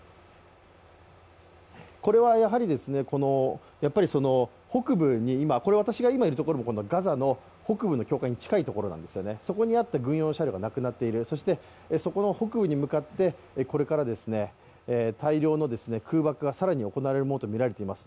これはやはり、今、私がいるところはガザの北部の境界に近いところなんですが、そこにあった軍用車両がなくなっている、そこの北部に向かって、これから大量の空爆が更に行われるものとみられます。